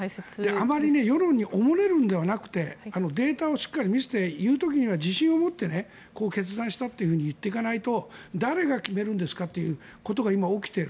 あまり世論におもねるんじゃなくてデータをしっかり見せて言う時には自信を持って決断したと言っていかないと誰が決めるんですかということが今、起きている。